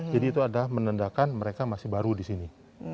jadi itu adalah menandakan mereka masih baru di sini